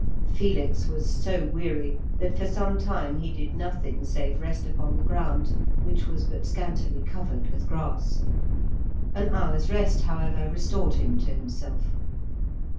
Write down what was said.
Felix was so weary that for some time he did nothing save rest upon the ground, which was but scantily covered with grass. An hour's rest, however, restored him to himself.